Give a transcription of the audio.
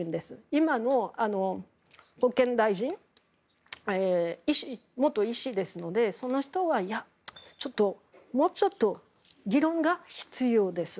今の保健大臣、元医師ですのでその人はいや、もうちょっと議論が必要ですと。